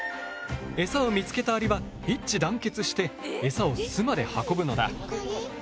エサを見つけたアリは一致団結してエサを巣まで運ぶのだ。